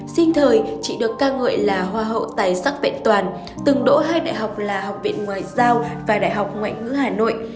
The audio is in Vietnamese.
sinh thời chị được ca ngợi là hoa hậu tài sắc vẹn toàn từng đỗ hai đại học là học viện ngoại giao và đại học ngoại ngữ hà nội